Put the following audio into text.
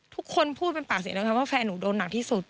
ทุกคนพูดเป็นปากเสียงนะคะว่าแฟนหนูโดนหนักที่สุด